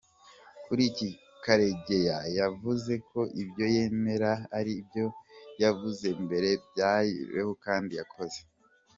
Kuri iki Karegeya yavuze ko ibyo yemera ari ibyo yavuze mbere byabayeho kandi yakoze.